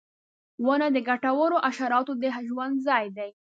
• ونه د ګټورو حشراتو د ژوند ځای دی.